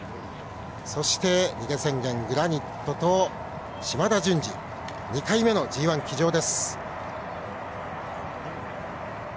そして逃げ宣言、グラニットと嶋田純次、２回目のＧＩ騎乗です。